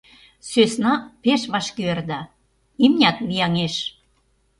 Сӧсна пеш вашке ӧрда, имнят вияҥеш.